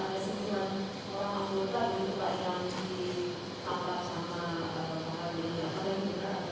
ada yang tidak